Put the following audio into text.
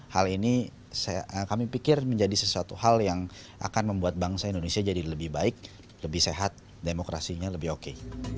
hal ini kami pikir menjadi sesuatu hal yang akan membuat bangsa indonesia jadi lebih baik lebih sehat demokrasinya lebih oke